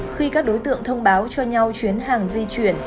khi các đối tượng thông báo cho nhau chuyến hàng di chuyển